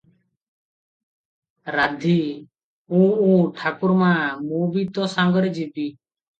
ରାଧୀ - ଉଁ ଉଁ ଠାକୁରମା, ମୁଁ ବି ତୋ ସାଙ୍ଗରେ ଯିବି ।